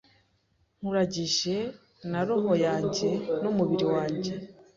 Nkuragije na roho yanjye n'umubiri wanjye